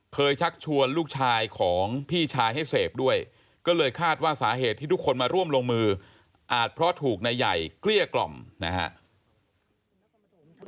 ชักชวนลูกชายของพี่ชายให้เสพด้วยก็เลยคาดว่าสาเหตุที่ทุกคนมาร่วมลงมืออาจเพราะถูกนายใหญ่เกลี้ยกล่อมนะครับ